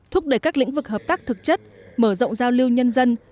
thúc đẩy các lĩnh vực hợp tác thực chất mở rộng giao lưu nhân dân